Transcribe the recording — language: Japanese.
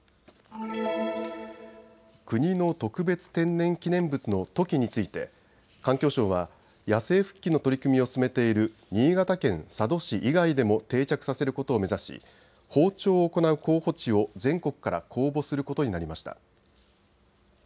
国の特別天然記念物のトキについて環境省は野生復帰の取り組みを進めている新潟県佐渡市以外でも定着させることを目指し、放鳥を行う候補地を全国から公募することになりました。